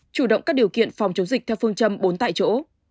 chủ động các điều kiện phòng chống dịch theo phương châm bốn tại chỗ